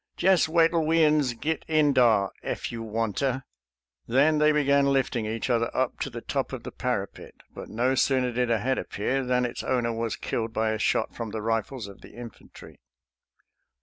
" Jess wait'll we uns git in dah, eff you wanter." Then they began lifting each other up to the top of the parapet, but no sooner did a head appear than its owner was killed by a shot from the rifles of the infantry.